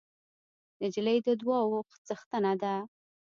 نجلۍ د دعاوو څښتنه ده.